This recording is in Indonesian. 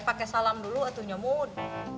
pake salam dulu atau nyamud